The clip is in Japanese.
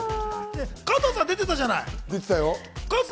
加藤さんも出てたじゃない。